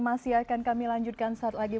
masih akan kami lanjutkan saat lagi